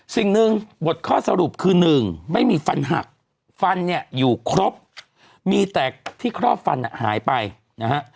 สิ่งหนึ่งบทข้อสรุปคือหนึ่งไม่มีฟันหักฟันเนี่ยอยู่ครบมีแต่ที่ครอบฟันหายไปนะฮะ